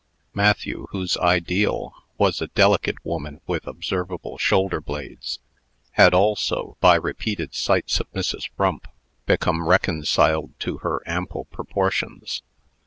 Matthew, whose ideal was a delicate woman with observable shoulder blades, had also, by repeated sights of Mrs. Frump, become reconciled to her ample proportions.